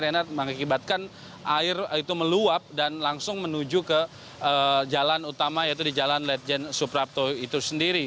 ini mengakibatkan air itu meluap dan langsung menuju ke jalan utama yaitu di jalan ledjen suprapto itu sendiri